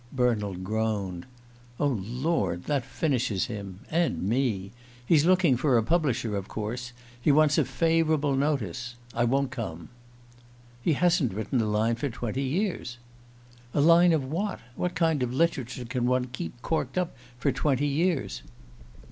Bernald groaned. "Oh, Lord that finishes him; and me! He's looking for a publisher, of course he wants a 'favourable notice.' I won't come!" "He hasn't written a line for twenty years." "A line of what? What kind of literature can one keep corked up for twenty years?"